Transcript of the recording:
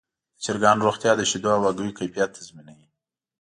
د چرګانو روغتیا د شیدو او هګیو کیفیت تضمینوي.